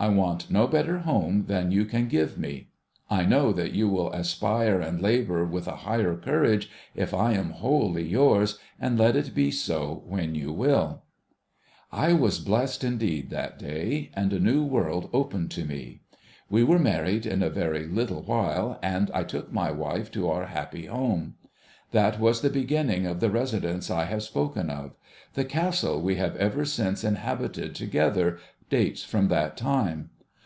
I want no better home than you can give me. I know that you will aspire and labour with a higher courage if I am wholly yours, and let it be so when you will !' I was blest indeed, that day, and a new world opened to me. We were married in a very little while, and I took my wife to our happy home. That was the beginning of the residence I have spoken of; the Castle we have ever since inhabited together, dates from that time.